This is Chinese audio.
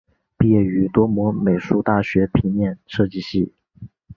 毕业于多摩美术大学平面设计系。